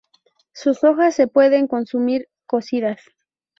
Sus hojas se pueden consumir cocidas.